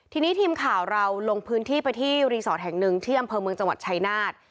ทีนี้ทีมข่าวเราลงพื้นที่ไปที่รีสอร์ทแห่งหนึ่งที่อำเภอเมืองจังหวัดชายนาฏ